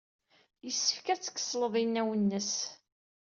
Yessefk ad tkelsed inaw-nnes.